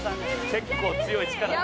結構強い力で。